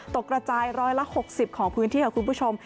กระจาย๑๖๐ของพื้นที่ค่ะคุณผู้ชม